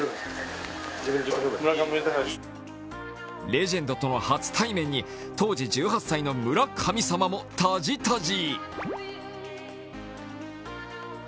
レジェンドとの初対面に当時１８歳の村神様もタジタジ。